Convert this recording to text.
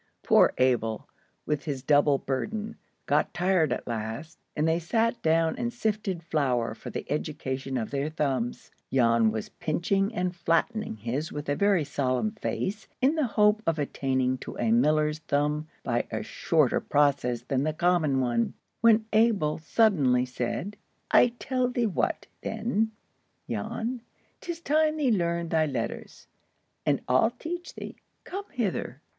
Poor Abel, with his double burden, got tired at last, and they sat down and sifted flour for the education of their thumbs. Jan was pinching and flattening his with a very solemn face, in the hope of attaining to a miller's thumb by a shorter process than the common one, when Abel suddenly said,— "I tell thee what, then, Jan: 'tis time thee learned thy letters. And I'll teach thee. Come hither."